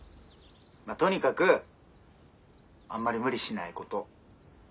☎とにかくあんまり無理しないこと。